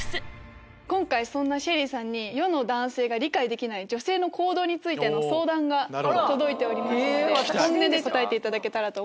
今回そんなＳＨＥＬＬＹさんに世の男性が理解できない女性の行動についての相談が届いておりますので本音で答えていただけたらと。